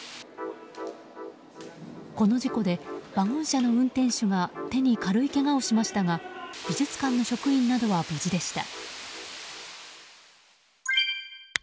この事故で、ワゴン車の運転手が手に軽いけがをしましたが美術館の職員などは無事でした。